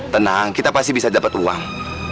tenang kita pasti bisa dapat uang